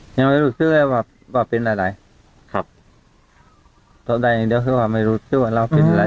ยังไม่รู้ชื่อเลยว่าว่าเป็นอะไรครับตอนแรกอย่างเดียวคือว่าไม่รู้ชื่อว่าเราเป็นอะไร